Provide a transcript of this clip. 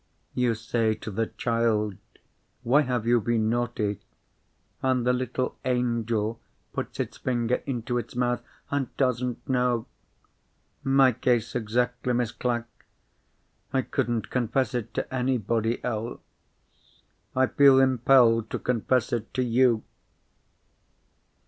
You say to the child, Why have you been naughty? And the little angel puts its finger into its mouth, and doesn't know. My case exactly, Miss Clack! I couldn't confess it to anybody else. I feel impelled to confess it to _you!